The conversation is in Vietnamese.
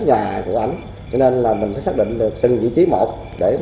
cơ quan chức năng cũng đã tìm được thi thể